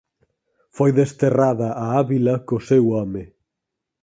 Foi desterrada a Ávila co seu home.